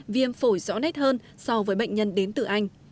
vì em phổi rõ nét hơn so với bệnh nhân đến từ anh